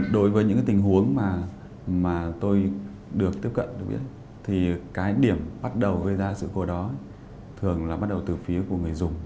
đối với những tình huống mà tôi được tiếp cận thì cái điểm bắt đầu gây ra sự cố đó thường là bắt đầu từ phía của người dùng